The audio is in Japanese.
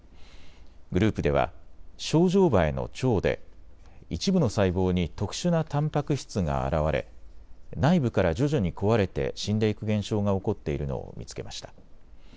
グループではショウジョウバエの腸で一部の細胞に特殊なたんぱく質が現れ内部から徐々に壊れて死んでいく現象が起こっているのを見つけました。